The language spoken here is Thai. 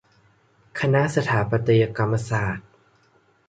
คณะสถาปัตยกรรมศาสตร์